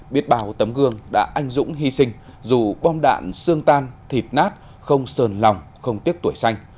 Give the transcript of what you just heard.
biết bao tấm gương đã anh dũng hy sinh dù bom đạn xương tan thịt nát không sờn lòng không tiếc tuổi sanh